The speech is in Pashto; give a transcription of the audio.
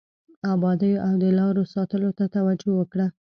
ابادیو او د لارو ساتلو ته توجه وکړه.